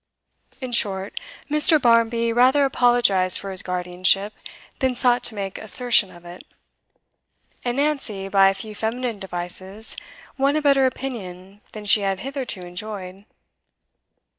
In short, Mr. Barmby rather apologised for his guardianship than sought to make assertion of it; and Nancy, by a few feminine devices, won a better opinion than she had hitherto enjoyed.